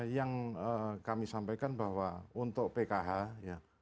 yang kami sampaikan bahwa untuk pkh ya